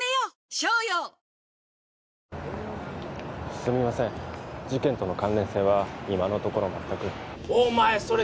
すみません事件との関連性は今のところ全くお前それ